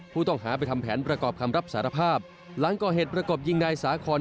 ผู้ต้องหาไปทำแผนประกอบคำรับสารภาพหลังก่อเหตุประกบยิงนายสาคอน